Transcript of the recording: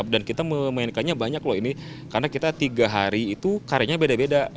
kita memainkannya banyak loh ini karena kita tiga hari itu karyanya beda beda